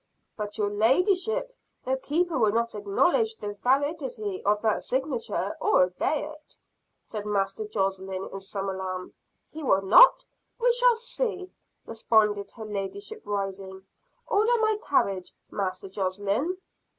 "But, your ladyship, the keeper will not acknowledge the validity of that signature, or obey it," said Master Josslyn in some alarm. "He will not? We shall see!" responded her ladyship rising. "Order my carriage, Master Josslyn."